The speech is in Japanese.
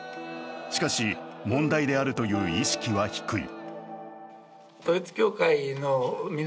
しかし、問題であるという意識は低い。